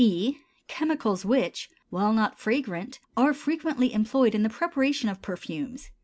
B. Chemicals which, while not fragrant, are frequently employed in the preparation of perfumes.